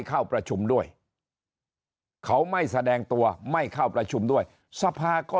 เข้าประชุมด้วยเขาไม่แสดงตัวไม่เข้าประชุมด้วยสภาก็